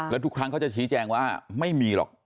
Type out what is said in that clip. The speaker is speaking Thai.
แล้วทุกครั้งเขาจะชี้แจงว่าไม่มีหรอก